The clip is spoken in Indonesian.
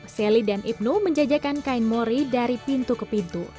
sally dan ibnu menjajakan kain mori dari pintu kebuka